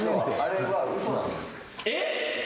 えっ？